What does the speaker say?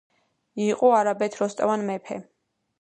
იყო არაბეთ როსტევან მეფე